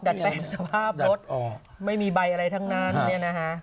ดัดแปลงสภาพไม่มีใบอะไรทั้งนั้น